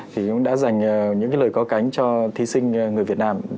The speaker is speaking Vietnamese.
thì cũng đã dành những cái lời có cánh cho thí sinh người việt nam